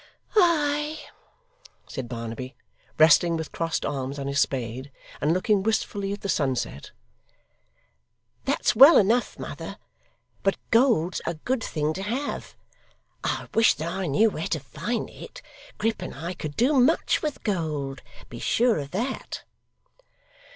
'Ay!' said Barnaby, resting with crossed arms on his spade, and looking wistfully at the sunset, 'that's well enough, mother; but gold's a good thing to have. I wish that I knew where to find it. Grip and I could do much with gold, be sure of that.